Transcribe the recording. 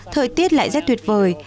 thời tiết lại rất tuyệt vời